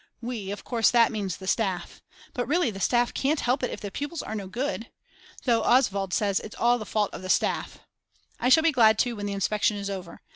We, of course that means the staff. But really the staff can't help it if the pupils are no good. Though Oswald says it's all the fault of the staff. I shall be glad too when the inspection is over.